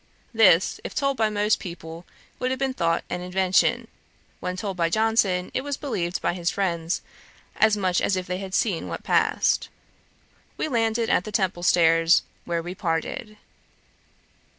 This, if told by most people, would have been thought an invention; when told by Johnson, it was believed by his friends as much as if they had seen what passed. We landed at the Temple stairs, where we parted.